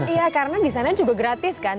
iya karena di sana juga gratis kan